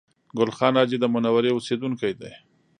ګل خان حاجي د منورې اوسېدونکی دی